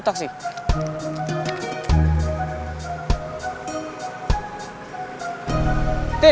nah itu taksi